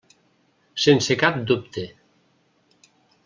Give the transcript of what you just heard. Sense cap dubte.